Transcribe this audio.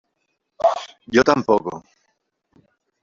yo tampoco .